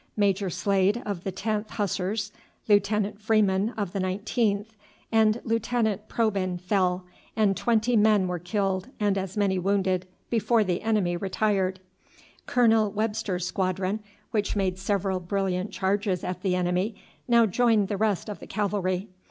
Major Slade of the 10th Hussars, Lieutenant Freeman of the 19th, and Lieutenant Probyn fell, and twenty men were killed and as many wounded before the enemy retired. Colonel Webster's squadron, which made several brilliant charges at the enemy, now joined the rest of the cavalry.